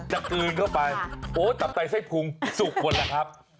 จากกลืนเข้าไปทับใต่ไส้ภูมิสุกหมดละครับ